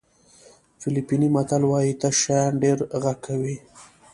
فلیپیني متل وایي تش شیان ډېر غږ کوي.